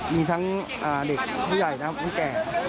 มีทั้งเด็กผู้ใหญ่นะครับผู้แก่